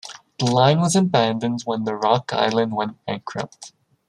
This line was abandoned when the Rock Island went bankrupt.